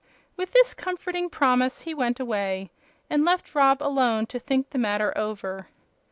With this comforting promise he went away and left Rob alone to think the matter over.